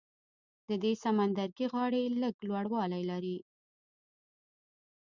د دې سمندرګي غاړې لږ لوړوالی لري.